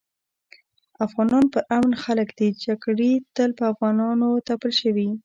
افغانان پر امن خلک دي جګړي تل په افغانانو تپل شوي